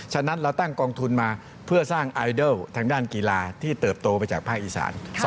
ฉะนั้นเราตั้งกองทุนมาเพื่อสร้างไอดอลทางด้านกีฬาที่เติบโตไปจากภาคอีสาน